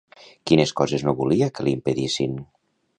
Quines coses no volia que li impedissin?